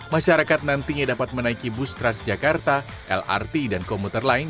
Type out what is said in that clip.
masyarakat nantinya dapat menaiki bus transjakarta lrt dan komuter lain